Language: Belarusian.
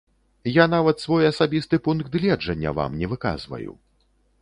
Я нават свой асабісты пункт гледжання вам не выказваю.